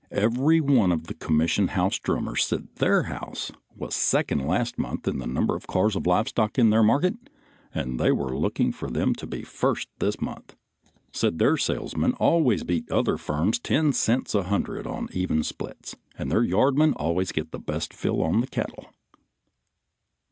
Every one of the commission house drummers said their house was second last month in number of cars of live stock in their market and they were looking for them to be first this month; said their salesmen always beat the other firms 10 cents a hundred on even splits, and their yardmen always got the best fill on the cattle.